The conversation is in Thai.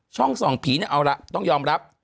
ช่องส่องผีเนี่ยเอาละต้องยอมรับ